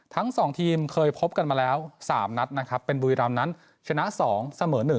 ทั้ง๒ทีมเคยพบกันมาแล้ว๓นัดนะครับเป็นบุรีรำนั้นชนะ๒เสมอ๑